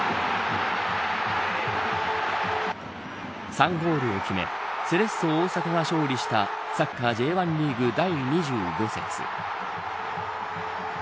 ３ゴールを決めセレッソ大阪が勝利したサッカー、Ｊ１リーグ第２５節。